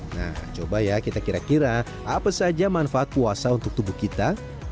nah coba ya kita kira kira apa saja manfaat puasa untuk tubuh kita